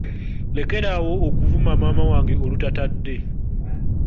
Lekera awo okuvuma maama wange olutatadde.